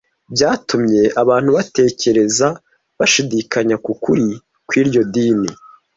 byatumye abantu batekereza bashidikanya ku kuri kw’iryo dini